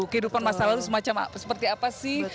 kehidupan masa lalu semacam seperti apa sih